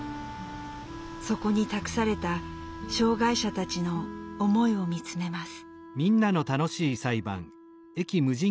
そこに託された障害者たちの思いを見つめます。